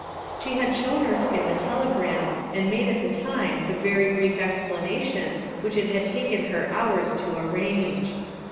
She had shown Erskine the telegram and made at the time the very brief explanation which it had taken her hours to arrange.